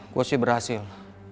gue sih berhasil